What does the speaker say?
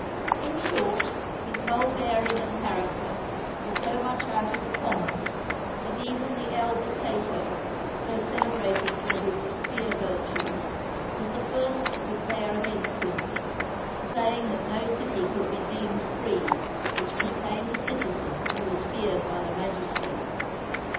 In short, his whole bearing and character were so much out of the common, that even the elder Cato, so celebrated for his austere virtue, was the first to declare against him, saying that no city could be deemed free which contained a citizen who was feared by the magistrates.